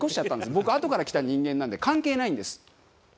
僕あとから来た人間なんで関係ないんです。